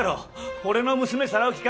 俺の娘さらう気か？